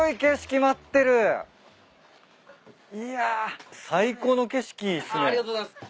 いや最高の景色っすね。